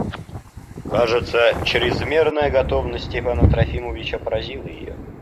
Кажется, чрезмерная готовность Степана Трофимовича поразила ее.